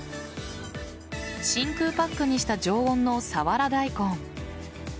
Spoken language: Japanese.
真空パックにした常温のさわら大根。